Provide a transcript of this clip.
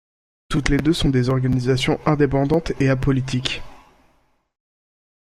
Toutes deux sont des organisations indépendantes et apolitiques.